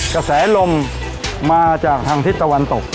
กระแสลมมาจากทางทิศตะวันตก